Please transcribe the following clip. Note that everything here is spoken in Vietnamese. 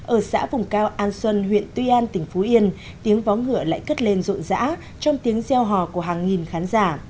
ở xã vùng cao an xuân huyện tuy an tỉnh phú yên tiếng vó ngựa lại cất lên rộn rã trong tiếng gieo hò của hàng nghìn khán giả